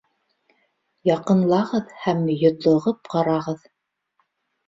Яҡынлағыҙ һәм йотлоғоп ҡарағыҙ!